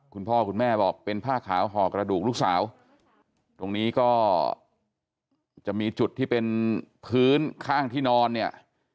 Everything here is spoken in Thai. คุณพ่อคุณแม่บอกเป็นผ้าขาวห่อกระดูกลูกสาวตรงนี้ก็จะมีจุดที่เป็นพื้นข้างที่นอนเนี่ย